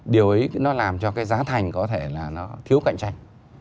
điều ấy nó làm cho cái giá thành có thể là nó thiếu cạnh tranh